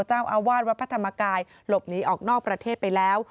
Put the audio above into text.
เจ้าอาวาสวัดพระธรรมกายหลบหนีออกนอกประเทศไปแล้ว